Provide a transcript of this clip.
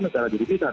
negara diri kita